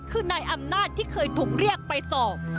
คือนายอำนาจที่เคยถูกเรียกไปสอบ